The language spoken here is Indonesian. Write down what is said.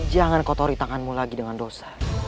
jangan kotori tanganmu lagi dengan dosa